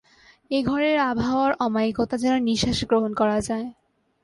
এ ঘরের আবহাওয়ার অমায়িকতা যেন নিশ্বাসে গ্রহণ করা যায়।